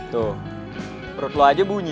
tuh perut lo aja bunyi